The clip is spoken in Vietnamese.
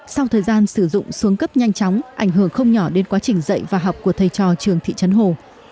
sau thời gian sử dụng xuống cấp nhanh chóng ảnh hưởng không nhỏ đến quá trình dạy và học của thầy trò trường thị trấn hồ